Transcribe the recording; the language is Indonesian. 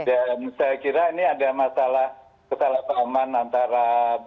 dan saya kira ini ada masalah kesalahpahaman antara